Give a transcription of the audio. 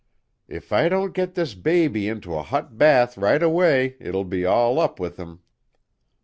If I don't get this baby into a hot bath right away it'll be all up with him."